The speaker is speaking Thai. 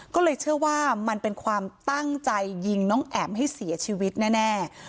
ก็เลยเชื่อว่ามันเป็นความตั้งใจยิงน้องแอ๋มให้เสียชีวิตแน่